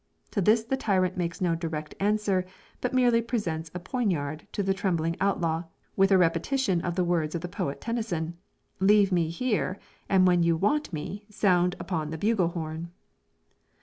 To this the tyrant makes no direct answer, but merely presents a poignard to the trembling outlaw, with a repetition of the words of the poet Tennyson. "Leave me here, and when you want me Sound upon the bugle horn."